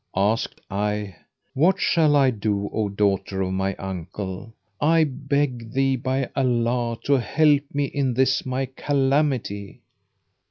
Asked I, "What shall I do, O daughter of my uncle: I beg thee, by Allah, to help me in this my calamity."